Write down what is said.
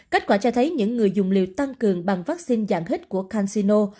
cách quả cho thấy những người dùng liều tăng cường bằng vaccine dạng hít của cansino